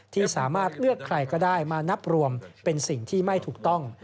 ที่สามารถเลือกใครก็ได้มานับรวมเป็นสิ่งที่ไม่ถูกต้อง